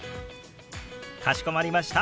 かしこまりました。